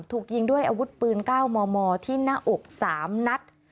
ถูกยิงด้วยอาวุธปืน๙มมที่หน้าอก๓นัด